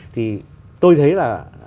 thì tôi thấy là